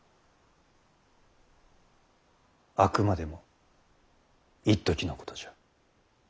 あくまでもいっときのことじゃ。